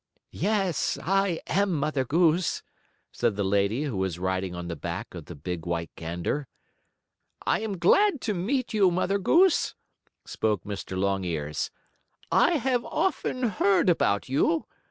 "Yes, I am Mother Goose," said the lady who was riding on the back of the big, white gander. "I am glad to meet you, Mother Goose," spoke Mr. Longears. "I have often heard about you.